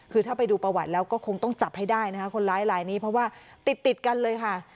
คือถ้าไปดูประวัติแล้วก็คงต้องจับให้ได้นะคะคนร้ายลายนี้เพราะว่าติดติดกันเลยค่ะ